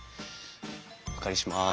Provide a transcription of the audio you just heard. お借りします。